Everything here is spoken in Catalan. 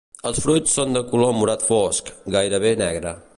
El fruits són de color morat fosc, gairebé negre.